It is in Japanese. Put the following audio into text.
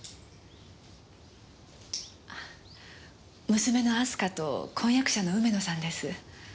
娘の明日香と婚約者の梅野さんです。